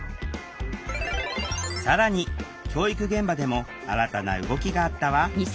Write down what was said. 更に教育現場でも新たな動きがあったわ。